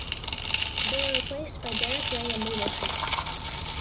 They were replaced by Derek Rae and Lee Dixon.